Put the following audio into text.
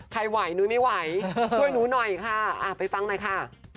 ใครไหวนุ้ยไม่ไหวช่วยหนูหน่อยค่ะไปฟังหน่อยค่ะ